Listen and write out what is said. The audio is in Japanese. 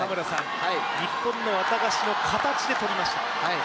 日本のワタガシの形で取りました。